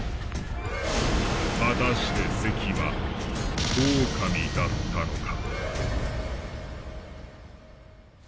果たして関はオオカミだったのか？